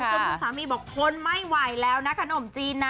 จนคุณสามีบอกทนไม่ไหวแล้วนะขนมจีนนะ